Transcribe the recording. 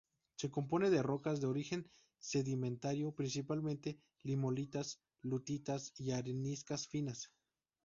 Se compone de rocas de origen sedimentario, principalmente limolitas, lutitas y areniscas finas.